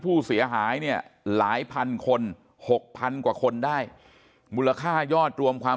ผู้เสียหายเนี่ยหลายพันคนหกพันกว่าคนได้มูลค่ายอดรวมความ